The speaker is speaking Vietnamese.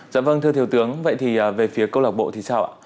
dạ vâng thưa thiếu tướng vậy thì về phía câu lạc bộ thì sao ạ